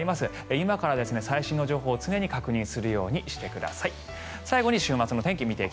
今から最新の情報を、常に確認するようにしてください。